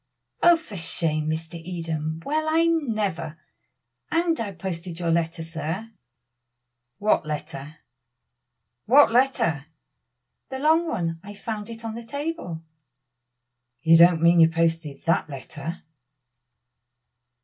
"Oh! for shame, Mr. Eden. Well, I never! And I posted your letter, sir." "What letter? what letter?" "The long one. I found it on the table." "You don't mean you posted that letter?"